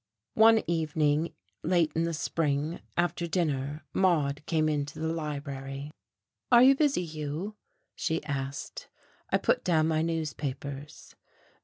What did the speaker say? One evening late in the spring, after dinner, Maude came into the library. "Are you busy, Hugh?" she asked. I put down my newspapers.